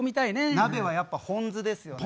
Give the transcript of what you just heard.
鍋はやっぱホンズですよね。